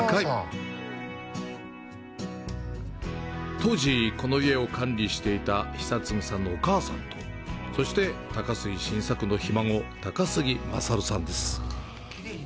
当時、この家を管理していた久継さんのお母さんと、高杉晋作のひ孫、高杉勝さんです。